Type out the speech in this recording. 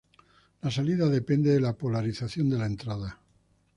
La salida depende de la polarización de la entrada.